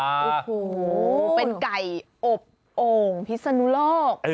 โอ้โหเป็นไก่อบโอ่งพิศนุโลก